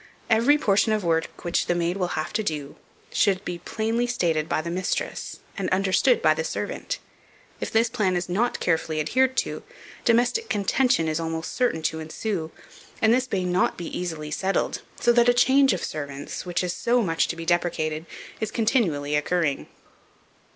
Every portion of work which the maid will have to do, should be plainly stated by the mistress, and understood by the servant. If this plan is not carefully adhered to, domestic contention is almost certain to ensue, and this may not be easily settled; so that a change of servants, which is so much to be deprecated, is continually occurring.